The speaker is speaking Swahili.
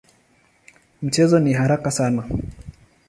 Mchezo ni haraka sana.